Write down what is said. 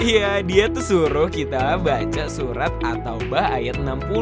iya dia tuh suruh kita baca surat atau bah ayat enam puluh